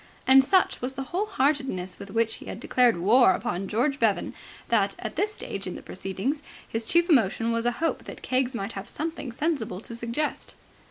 And such was the whole heartedness with which he had declared war upon George Bevan that, at this stage in the proceedings, his chief emotion was a hope that Keggs might have something sensible to suggest.